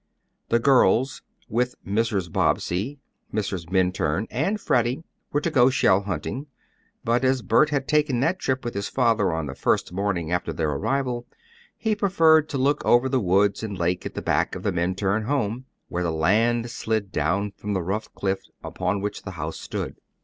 The girls, with Mrs. Bobbsey, Mrs. Minturn, and Freddie, were to go shell hunting, but as Bert had taken that trip with his father on the first morning after their arrival, he preferred to look over the woods and lake at the back of the Minturn home, where the land slid down from the rough cliff upon which the house stood.